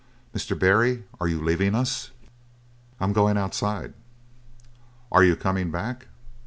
"Mr. Barry, are you leaving us?" "I'm going outside." "Are you coming back?"